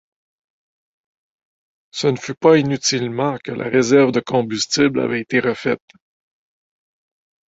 Ce ne fut pas inutilement que la réserve de combustible avait été refaite.